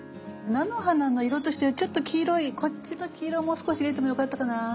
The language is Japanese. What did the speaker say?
菜の花の色としてはちょっと黄色いこっちの黄色をもう少し入れてもよかったかな。